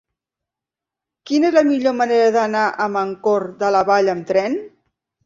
Quina és la millor manera d'anar a Mancor de la Vall amb tren?